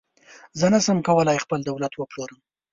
زه نشم کولای خپل دولت وپلورم.